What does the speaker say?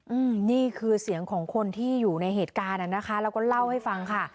อืมนี่คือเสียงของคนที่อยู่ในเหตุการณ์อ่ะนะคะแล้วก็เล่าให้ฟังค่ะ